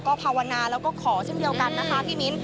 ภาวนาแล้วก็ขอเช่นเดียวกันนะคะพี่มิ้น